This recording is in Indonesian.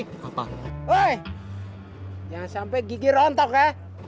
wah jangan sampai gigi rontok ya